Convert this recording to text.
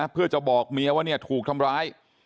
เพื่อจะบอกเมียว่าถูกทำร้าย